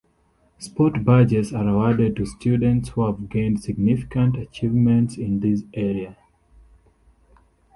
Sport badges are awarded to students who have gained significant achievements in this area.